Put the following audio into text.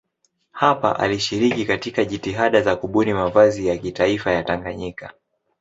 Hapa alishiriki katika jitihada za kubuni mavazi ya kitaifa ya Tanganyika.